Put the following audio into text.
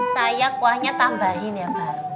saya kuahnya tambahin ya mbak